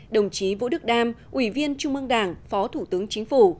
đồng chí vũ đức đam ủy viên trung ương đảng phó thủ tướng chính phủ